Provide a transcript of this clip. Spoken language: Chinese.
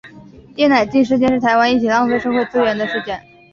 叶乃菁事件是台湾一起浪费社会资源的事件。